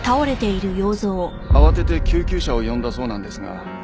慌てて救急車を呼んだそうなんですが。